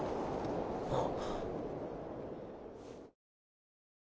あっ。